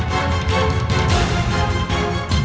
jangan lagi membuat onar di sini